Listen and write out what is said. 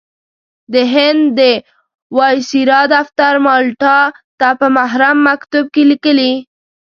د هند د وایسرا دفتر مالټا ته په محرم مکتوب کې لیکلي.